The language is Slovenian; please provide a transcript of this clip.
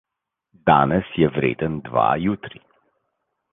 Danes je vreden dva jutri.